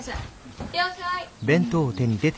いってらっしゃい。